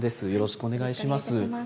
よろしくお願いします。